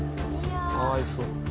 かわいそう。